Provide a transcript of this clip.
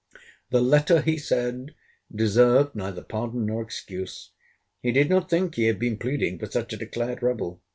The letter, he said, deserved neither pardon nor excuse. He did not think he had been pleading for such a declared rebel.